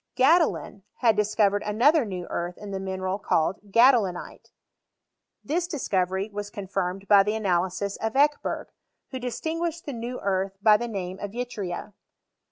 Gadolin had discovered another new earth in the mineral called gadolinite. This discovery was con firmed by the analysis of Ekeherg, who distinguished the new earth by tlie name of yttria.